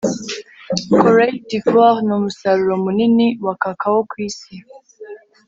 coryte d'ivoire n'umusaruro munini wa kakao ku isi